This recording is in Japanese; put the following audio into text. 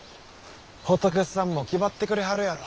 仏さんもきばってくれはるやろ。